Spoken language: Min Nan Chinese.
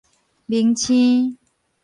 明星